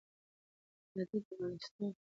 وادي د افغانستان د کلتوري میراث برخه ده.